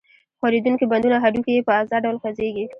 ښورېدونکي بندونه هډوکي یې په آزاد ډول خوځېږي.